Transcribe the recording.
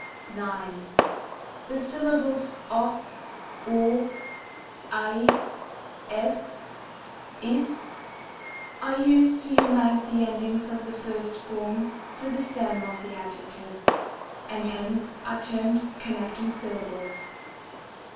9. The syllables o, («,)* ^h *^> ^^j ^^^ ^^<i *o unite the endings of the first form to the stem of the adjec tive, and hence are termed connecting syllables.